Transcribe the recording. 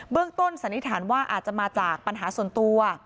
ต้นสันนิษฐานว่าอาจจะมาจากปัญหาส่วนตัว